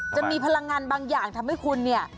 จะมีพลังงานบางอย่างทำให้คุณเนี่ย